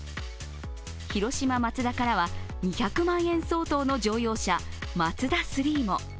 広島マツダからは２００万円相当の乗用車、ＭＡＺＤＡ３も。